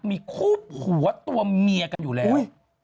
มีคู่ผัวตัวเมียกันอยู่แล้ว